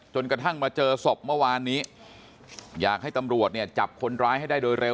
กระทั่งมาเจอศพเมื่อวานนี้อยากให้ตำรวจเนี่ยจับคนร้ายให้ได้โดยเร็ว